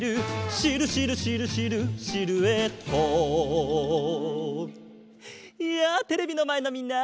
「シルシルシルシルシルエット」やあテレビのまえのみんな！